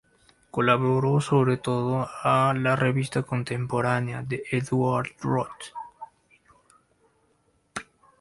Colaboró sobre todo a "La Revista contemporánea" de Édouard Rod.